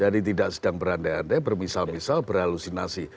jadi tidak sedang beranda anda bermisal misal berhalusinasi